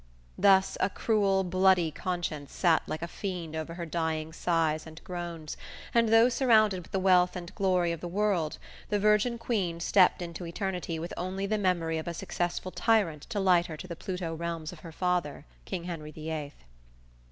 Thus a cruel, bloody conscience sat like a fiend over her dying sighs and groans, and though surrounded with the wealth and glory of the world, the Virgin Queen stepped into eternity with only the memory of a successful tyrant to light her to the Pluto realms of her father, King Henry the Eighth!